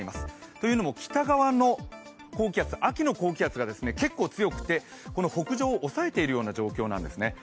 というのも北側の高気圧秋の高気圧が結構強くてこの北上を押さえている状況なんですね。